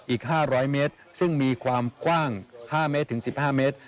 อีก๕๐๐เมตรซึ่งมีความกว้าง๕เมตรถึง๑๕เมตร